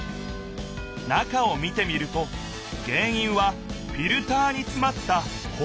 中を見てみると原いんはフィルターにつまったほこりだった。